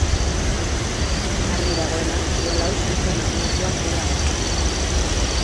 Argi dagoena kirol hau Suitzan asmatua zela da.